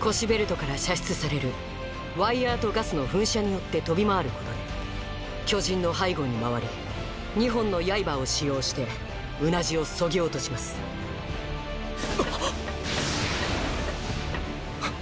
腰ベルトから射出されるワイヤーとガスの噴射によって飛び回ることで巨人の背後に回り２本の刃を使用してうなじを削ぎ落としますはっ！